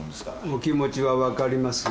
お気持ちは分かります。